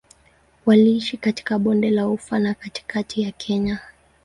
Waliishi katika Bonde la Ufa na katikati ya Kenya.